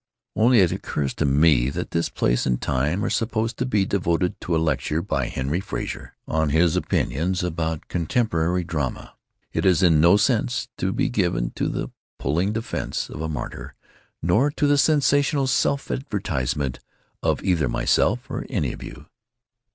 Only, it occurs to me that this place and time are supposed to be devoted to a lecture by Henry Frazer on his opinions about contemporary drama. It is in no sense to be given to the puling defense of a martyr, nor to the sensational self advertisement of either myself or any of you.